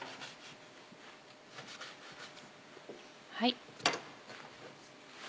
はい。